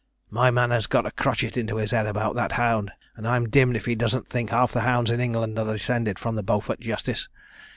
My man has got a crochet into his head about that hound, and I'm dimmed if he doesn't think half the hounds in England are descended from the Beaufort Justice.